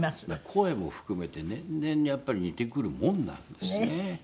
声も含めて年々やっぱり似てくるもんなんですね。